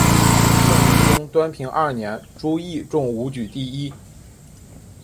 宋理宗端平二年朱熠中武举第一。